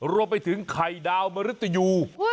รวมไปถึงไข่ดาวมริตยู